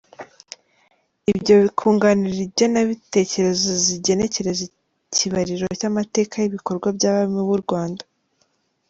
Ibyo bikunganira Igenantekerezo zigenekereza ikibariro cy’amateka y’ibikorwa by’abami b’u Rwanda.